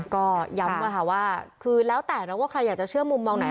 ก็ย้ำว่าค่ะว่าคือแล้วแต่นะว่าใครอยากจะเชื่อมุมมองไหน